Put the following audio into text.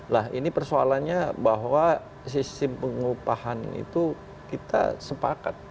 nah ini persoalannya bahwa sistem pengupahan itu kita sepakat